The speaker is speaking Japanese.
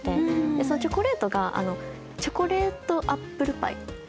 でそのチョコレートがチョコレートアップルパイ。